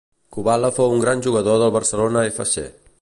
Kubala fou un gran jugador del Barcelona F C